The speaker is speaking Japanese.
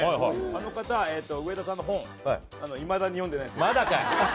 あの方、上田さんの本、いまだに読んでないそうまだかい。